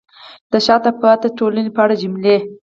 د شاته پاتې ټولنې په اړه جملې: